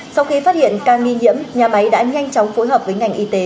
sau khi phát hiện ca nghi nhiễm nhà máy đã nhanh chóng phối hợp với ngành y tế